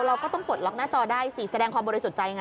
เราก็ต้องปลดล็อกหน้าจอได้สิแสดงความบริสุทธิ์ใจไง